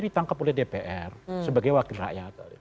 ditangkap oleh dpr sebagai wakil rakyat